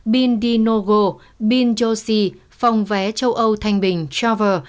bindinogo bindosi phòng vé châu âu thanh bình traver